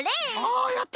あやった！